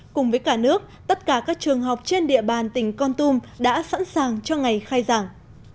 cùng với cả nước tất cả các trường học trên địa bàn tỉnh con tum đã sẵn sàng cho ngày khai giảng